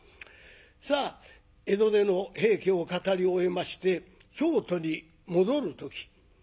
さあ江戸での「平家」を語り終えまして京都に戻る時